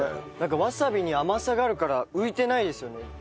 わさびに甘さがあるから浮いてないですよね。